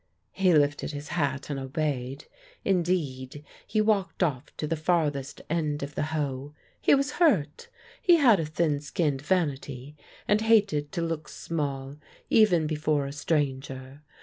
He lifted his hat and obeyed; indeed, he walked off to the farthest end of the Hoe. He was hurt. He had a thin skinned vanity, and hated to look small even before a stranger.